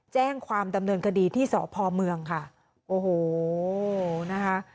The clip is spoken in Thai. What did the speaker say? แจ้งความดำเนินคดีที่สพเมืองค่ะโอ้โหนะคะ